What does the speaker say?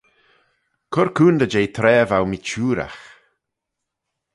Cur coontey jeh traa v'ou mitçhooragh.